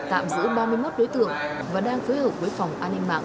tạm giữ ba mươi một đối tượng và đang phối hợp với phòng an ninh mạng